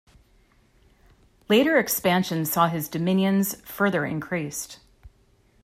Later expansion saw his dominions further increased.